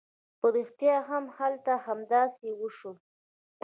په رښتيا هم هلته همداسې وشول.